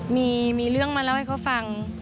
มีเรื่องมาเล่าให้เขาฟัง